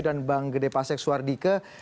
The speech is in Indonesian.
dan bang gede pasik suardike